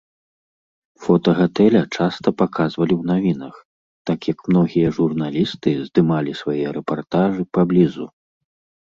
Фота гатэля часта паказвалі ў навінах, так як многія журналісты здымалі свае рэпартажы паблізу.